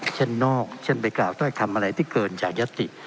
เช่นนอกเช่นไปกล่าวถ้อยคำอะไรที่เกินจากยติ